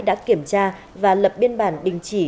đã kiểm tra và lập biên bản đình chỉ